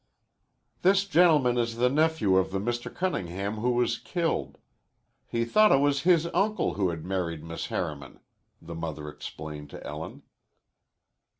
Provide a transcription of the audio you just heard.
"This gentleman is the nephew of the Mr. Cunningham who was killed. He thought it was his uncle who had married Miss Harriman," the mother explained to Ellen.